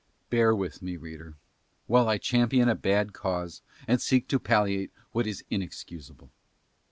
Bear with me, reader, while I champion a bad cause and seek to palliate what is inexcusable.